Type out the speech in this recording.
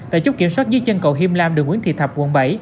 tại chốt kiểm soát dưới chân cầu hiêm lam đường nguyễn thị thập quận bảy